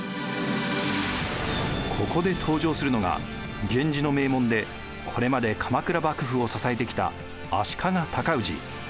ここで登場するのが源氏の名門でこれまで鎌倉幕府を支えてきた足利高氏。